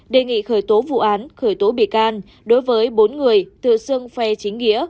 đề nghị khởi tố vụ án khởi tố bị can đối với bốn người từ xương phe chính nghĩa